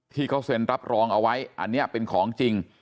ที่เขาเซ็นรับรองเอาไว้อันนี้เป็นของจริง